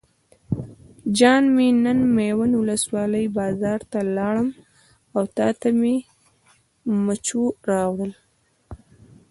جان مې نن میوند ولسوالۍ بازار ته لاړم او تاته مې مچو راوړل.